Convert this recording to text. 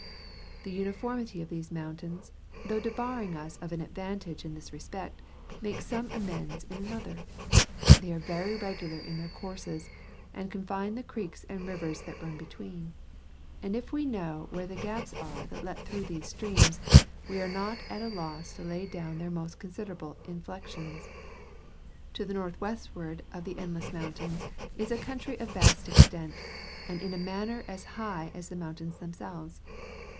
The uniformity of these mountains, though debarring us of an advantage in this respect, makes some amends in another. They are very regular in their courses, and confine the creeks and rivers that run between ; and if we know where the gaps are that let through these streams, we are not at a loss to lay down their most considerable inflections " To the northwestward of the Endless mountains is a country of vast extent, and in a manner as high as the mountains them selves.